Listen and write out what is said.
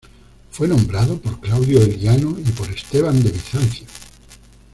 Fue nombrado por Claudio Eliano y por Esteban de Bizancio.